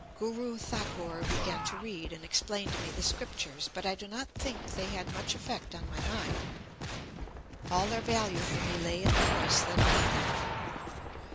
Guru Thakur began to read and explain to me the scriptures. But I do not think they had much effect on my mind. All their value for me lay in the voice that uttered them.